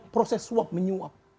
proses swap menyuap